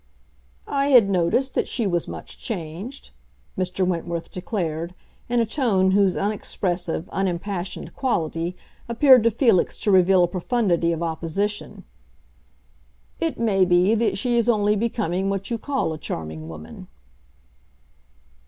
"I had noticed that she was much changed," Mr. Wentworth declared, in a tone whose unexpressive, unimpassioned quality appeared to Felix to reveal a profundity of opposition. "It may be that she is only becoming what you call a charming woman."